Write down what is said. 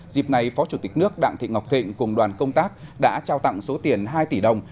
dịp này phó chủ tịch nước đặng thị ngọc thịnh cùng đoàn công tác đã trao tặng số tiền hai tỷ đồng